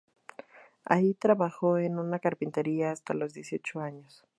Ahí trabajó en una carpintería hasta los dieciocho años.